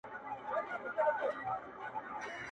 • کيسه د يوې نجلۍ له نوم سره تړلې پاتې کيږي..